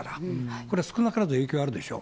これは少なからず影響あるでしょう。